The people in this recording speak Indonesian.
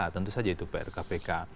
tentu saja itu pr kpk